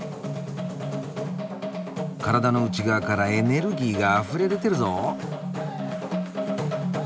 体の内側からエネルギーがあふれ出てるぞ！